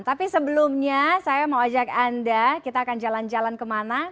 tapi sebelumnya saya mau ajak anda kita akan jalan jalan kemana